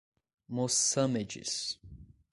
Mossâmedes